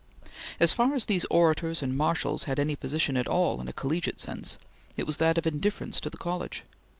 As far as these Orators and Marshals had any position at all in a collegiate sense, it was that of indifference to the college.